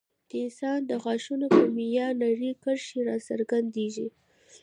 د انسان د غاښونو پر مینا نرۍ کرښې راڅرګندېږي.